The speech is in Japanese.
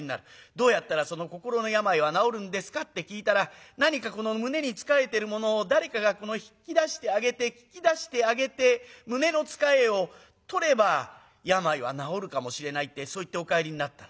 『どうやったらその心の病は治るんですか？』って聞いたら『何かこの胸につかえてるものを誰かが引き出してあげて聞き出してあげて胸のつかえを取れば病は治るかもしれない』ってそう言ってお帰りになったの。